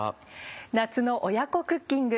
夏の親子クッキング